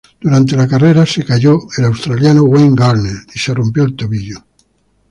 Durante la carrera, se cayó el australiano Wayne Gardner y se rompió el tobillo.